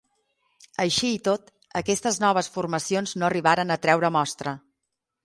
Així i tot, aquestes noves formacions no arribaren a treure mostra.